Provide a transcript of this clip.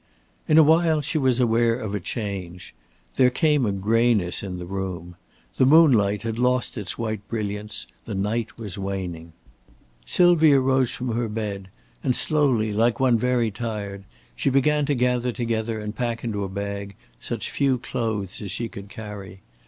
In a while she was aware of a change. There came a grayness in the room. The moonlight had lost its white brilliance, the night was waning. Sylvia rose from her bed, and slowly like one very tired she began to gather together and pack into a bag such few clothes as she could carry.